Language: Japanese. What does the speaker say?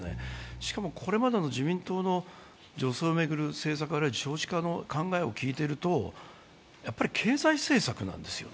しかもこれまでの自民党の女性を巡る政策、あるいは少子化の政策を聞いているとやっぱり経済政策なんですよね。